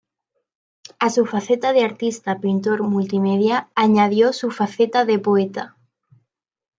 A su faceta de artista-pintor multimedia añadió su faceta de poeta.